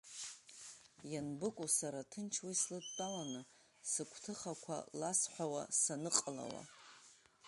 Ианбыкәу сара ҭынч уи слыдтәаланы, сыгәҭыхақәа ласҳәауа саныҟалауа…